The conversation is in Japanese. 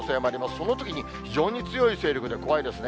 そのときに非常に強い勢力で怖いですね。